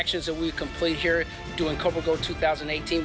ของความสามารถขึ้น